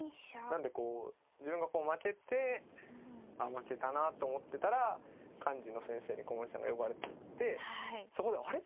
なんでこう自分がこう負けて負けたなと思ってたら幹事の先生に古森さんが呼ばれていってそこであれ？